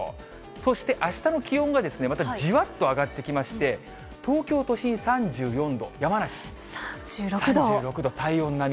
そしてあしたの気温がまたじわっと上がってきまして、東京都心３６度？３６度、体温並み。